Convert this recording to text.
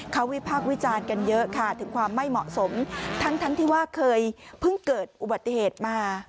เขาวิพากษ์วิจารณ์กันเยอะค่ะถึงความไม่เหมาะสมทั้งที่ว่าเคยเพิ่งเกิดอุบัติเหตุมา